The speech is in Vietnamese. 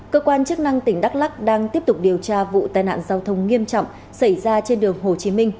cơ quan chức năng tỉnh đắk lắc đang tiếp tục điều tra vụ tai nạn giao thông nghiêm trọng xảy ra trên đường hồ chí minh